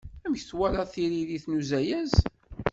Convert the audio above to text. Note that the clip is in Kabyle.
Amek twalaḍ tiririt n uzayez?